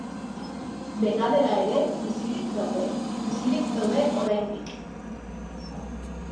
Dena dela ere, bizirik daude, bizirik daude oraindik.